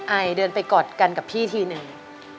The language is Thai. อายเดินไปกอดกันกับพี่ทีหนึ่ง